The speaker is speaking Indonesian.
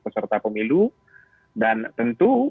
peserta pemilu dan tentu